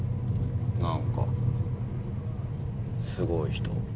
何かすごい人。